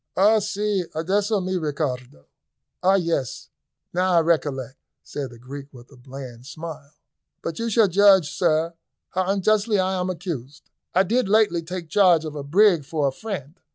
"Ah si, adesso me ricordo! Ah yes, now I recollect," said the Greek, with a bland smile. "But you shall judge, sir, how unjustly I am accused. I did lately take charge of a brig for a friend.